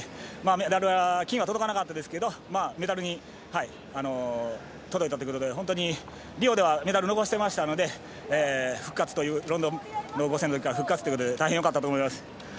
メダルは金には届かなかったですけどメダルに届いたということで本当にリオではメダル逃していましたのでロンドンの５０００のときから復活という大変よかったと思います。